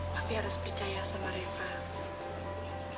papi harus percaya sama reva